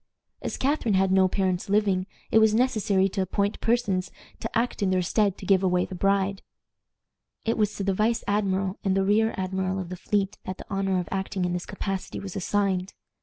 As Catharine had no parents living, it was necessary to appoint persons to act in their stead "to give away the bride." It was to the vice admiral and the rear admiral of the fleet that the honor of acting in this capacity was assigned.